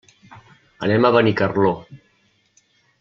Anem a Benicarló.